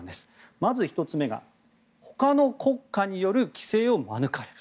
まず１つ目が他の国家による規制を免れる。